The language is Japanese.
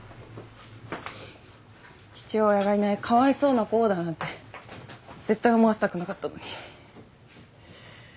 父親がいないかわいそうな子だなんて絶対思わせたくなかったのに。